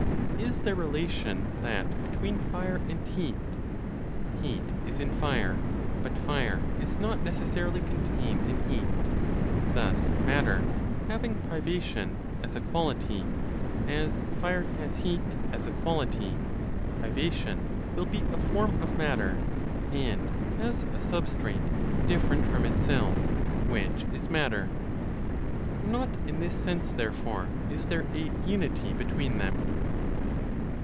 Is their relation that between fire and heat? Heat is in fire, but fire is not necessarily contained in heat; thus matter, having privation (as a quality), as fire has heat (as a quality), privation will be a form of matter, and has a substrate different from itself, which is matter. Not in this sense, therefore, is there a unity (between them).